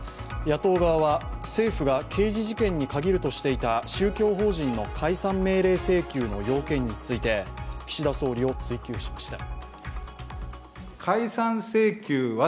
野党側は政府が刑事事件に限るとしていた宗教法人の解散命令請求の要件について、岸田総理を追及しました。